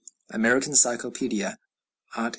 ("American Cyclopædia," art.